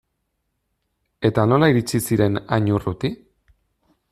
Eta nola iritsi ziren hain urruti?